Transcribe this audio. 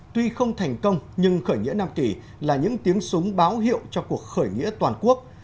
tuy không thành công nhưng khởi nghĩa nam kỳ là những tiếng súng báo hiệu cho cuộc khởi nghĩa toàn quốc